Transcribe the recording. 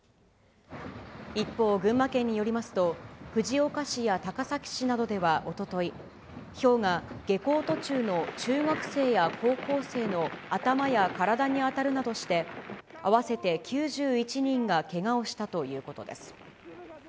一方、群馬県によりますと、藤岡市や高崎市などではおととい、ひょうが下校途中の中学生や高校生の頭や体に当たるなどして、合わせて９１人がけがをしたということです。